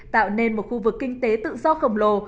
tạo nên một khu vực kinh tế tự do khổng lồ